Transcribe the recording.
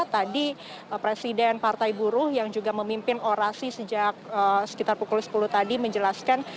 tadi presiden partai buruh yang juga memimpin orasi sejak sekitar pukul sepuluh tadi menjelaskan